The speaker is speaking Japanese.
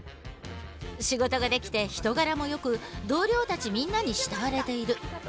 仕事ができて人柄もよく同僚たちみんなに慕われている。